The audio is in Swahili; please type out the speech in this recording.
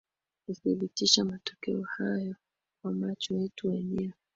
kuthibitisha matokeo hayo kwa macho yetu wenyewe